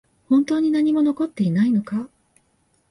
本当に何も残っていないのか？